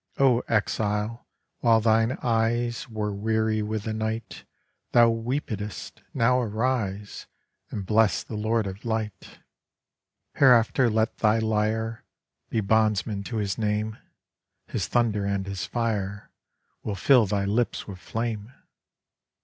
O Exile, while thine eyes Were weary with the night Thou weepedst; now arise And bless the Lord of Light. Hereafter let thy lyre Be bondsman to His name; His thunder and His fire Will fill thy lips with flame.